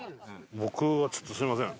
僕はちょっとすみません